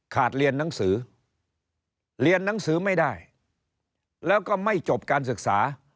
เรียนหนังสือเรียนหนังสือไม่ได้แล้วก็ไม่จบการศึกษา